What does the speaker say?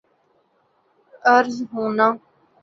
عرض ہونا